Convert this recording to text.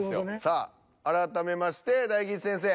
さあ改めまして大吉先生